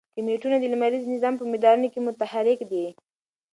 کومیټونه د لمریز نظام په مدارونو کې متحرک دي.